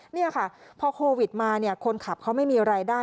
นี่ค่ะพอโควิดมาคนขับเขาไม่มีรายได้